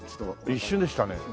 一瞬でしたね。